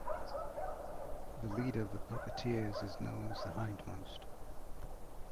The leader of the Puppeteers is known as the Hindmost.